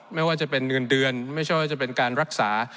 ไม่ว่าจะเป็นเงินเดือนไม่ใช่ว่าจะเป็นการรักษา